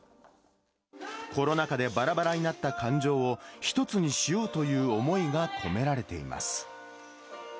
コロナ禍でばらばらになった感情を、一つにしようという思いが込められています。